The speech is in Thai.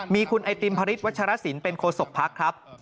มีคุณไอติมพระฤทธวัชรสินเป็นโคศกภักดิ์ครับ